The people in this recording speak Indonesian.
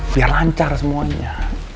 biar lancar semuanya